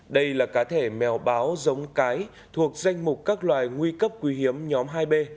đây là cá thể mèo báo giống cái thuộc danh mục các loài nguy cấp quý hiếm nhóm hai b